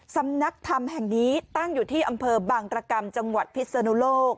สำนักธรรมแห่งนี้ตั้งอยู่ที่อำเภอบางตรกรรมจังหวัดพิศนุโลก